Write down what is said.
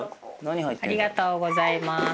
ありがとうございます。